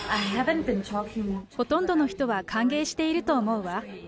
ほとんどの人は歓迎していると思うわ。